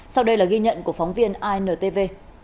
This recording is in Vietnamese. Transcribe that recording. sau đây là ghi nhận của phóng viên intv